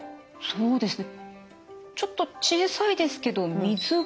そうですね